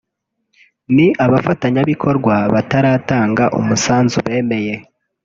ni abafatanyabikorwa bataratanga umusanzu bemeye